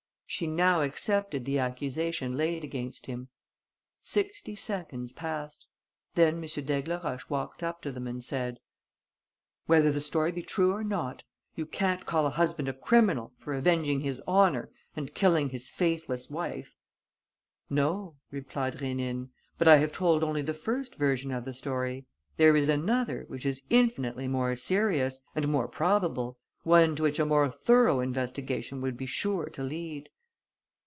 She now accepted the accusation laid against him. Sixty seconds passed. Then M. d'Aigleroche walked up to them and said: "Whether the story be true or not, you can't call a husband a criminal for avenging his honour and killing his faithless wife." "No," replied Rénine, "but I have told only the first version of the story. There is another which is infinitely more serious ... and more probable, one to which a more thorough investigation would be sure to lead."